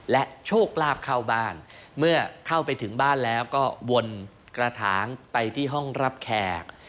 และโชคลาภเข้าบ้านเมื่อเข้าไปถึงบ้านแล้วก็วนกระถางไปที่ห้องรับแขก